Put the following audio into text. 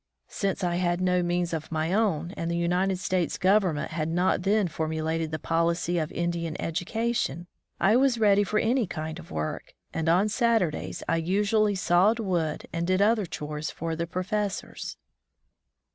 Since I had no means of my own, 66 From the Deep Woods to Civilization and the United States Government had not then formulated the policy of Indian educa tion, I was ready for any kind of work, and on Saturdays I usually sawed wood and did other chores for the professors.